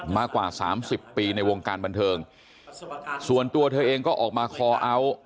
มากกว่าสามสิบปีในวงการบันเทิงส่วนตัวเธอเองก็ออกมาคอเอาท์